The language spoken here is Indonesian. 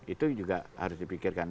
itu juga harus dipikirkan